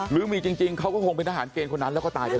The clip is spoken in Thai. หรือมีจริงเขาก็คงเป็นทหารเกณฑ์คนนั้นแล้วก็ตายไปได้